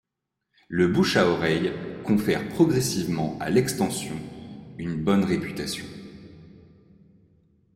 Le bouche-à-oreille confère progressivement à l'extension une bonne réputation.